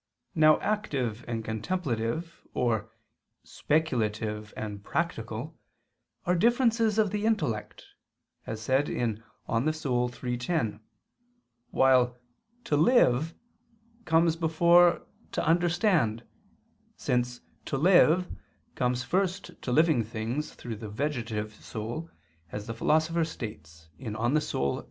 Now active and contemplative, or "speculative" and "practical," are differences of the intellect (De Anima iii, 10); while "to live" comes before "to understand," since "to live" comes first to living things through the vegetative soul, as the Philosopher states (De Anima ii, 4).